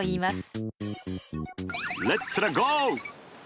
レッツラゴー！